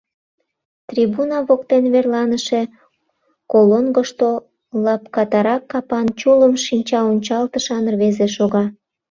Трибуна воктен верланыше колонкышто лапкатарак капан, чулым шинчаончалтышан рвезе шога.